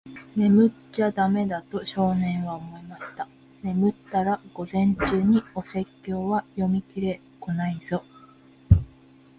「眠っちゃだめだ。」と、少年は思いました。「眠ったら、午前中にお説教は読みきれっこないぞ。」